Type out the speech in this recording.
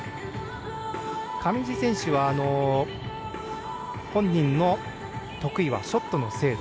上地選手は本人の得意はショットの精度。